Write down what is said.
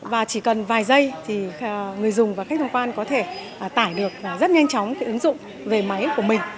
và chỉ cần vài giây thì người dùng và khách tham quan có thể tải được rất nhanh chóng cái ứng dụng về máy của mình